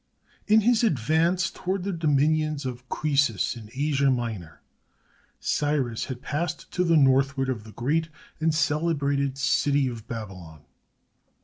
] In his advance toward the dominions of Croesus in Asia Minor, Cyrus had passed to the northward of the great and celebrated city of Babylon.